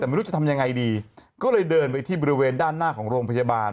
แต่ไม่รู้จะทำยังไงดีก็เลยเดินไปที่บริเวณด้านหน้าของโรงพยาบาล